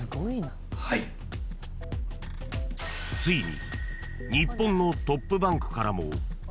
［ついに］